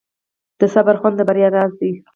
د صبر خوند د بریا راز دی.